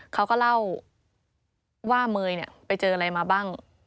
เขาก็เล่าว่าเมย์ไปเจออะไรมาบ้าง